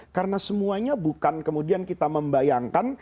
karena semuanya bukan kemudian kita membayangkan